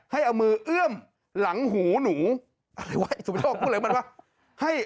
ให้เอามือเอื้อมหลังหูหนูอะไรวะสมมติว่าพูดเหลือมันว่า